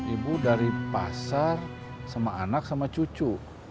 ibu dari pasar sama anak sama cucu